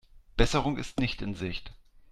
Besserung ist nicht in Sicht.